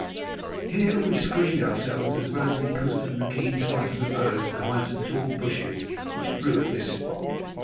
Here we screened ourselves as well as we could from the keen sight of the birds behind some tall bushes which grew at this spot.